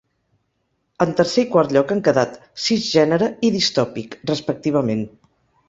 En tercer i quart lloc han quedat ‘cisgènere’ i ‘distòpic’, respectivament.